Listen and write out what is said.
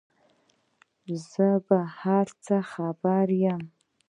زه په هر څه خبر یم ،